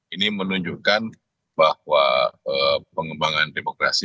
ini menunjukkan bahwa pengembangan demokrasi